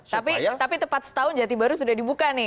tapi tepat setahun jati baru sudah dibuka nih